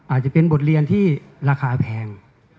อาจจะเป็นบทเรียนที่ราคาแพง